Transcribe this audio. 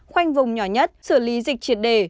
khoanh vùng nhỏ nhất xử lý dịch triệt đề